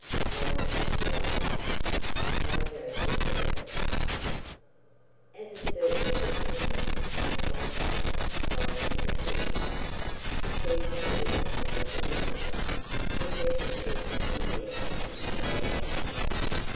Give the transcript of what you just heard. WHY THE FISH LAUGHED By Joseph Jacobs As a certain fisherwoman passed by a palace crying her fish, the queen appeared at one of the windows and beckoned her to come near and show what she had.